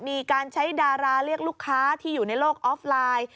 มีการใช้ดาราเรียกลูกค้าที่อยู่ในโลกออฟไลน์